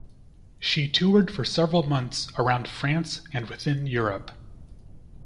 She toured for several months around France and within Europe.